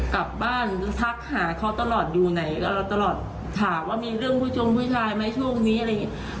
กลับบ้านทักหาเขาตลอดอยู่ไหนกับเราตลอดถามว่ามีเรื่องผู้ชมผู้ชายไหมช่วงนี้อะไรอย่างเงี้ย